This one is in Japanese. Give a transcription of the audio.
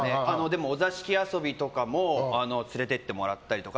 お座敷遊びとかも連れて行ってもらったりとか。